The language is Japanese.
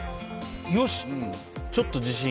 よし、ちょっと自信。